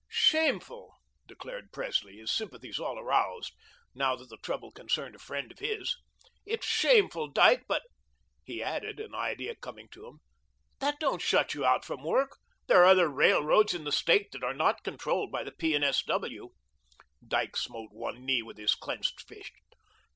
"Shameful," declared Presley, his sympathies all aroused, now that the trouble concerned a friend of his. "It's shameful, Dyke. But," he added, an idea occurring to him, "that don't shut you out from work. There are other railroads in the State that are not controlled by the P. and S. W." Dyke smote his knee with his clenched fist.